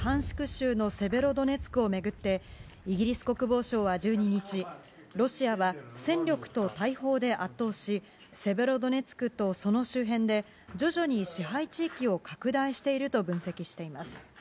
州のセベロドネツクを巡って、イギリス国防省は１２日、ロシアは戦力と大砲で圧倒し、セベロドネツクとその周辺で、徐々に支配地域を拡大していると分析しています。